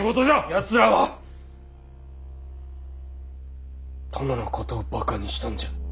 やつらは殿のことをバカにしたんじゃ。